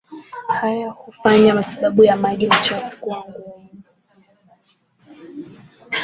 Haya hufanya matibabu ya maji machafu kuwa ngumu